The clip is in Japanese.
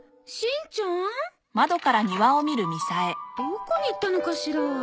どこに行ったのかしら？